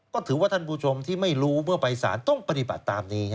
ก็ถือว่าท่านผู้ชมที่ไม่รู้เมื่อไปสารต้องปฏิบัติตามนี้